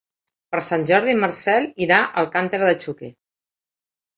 Per Sant Jordi en Marcel irà a Alcàntera de Xúquer.